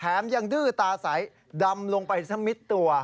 ยังดื้อตาใสดำลงไปสักมิดตัว